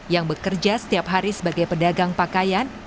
yang bekerja setiap hari sebagai pedagang pakaian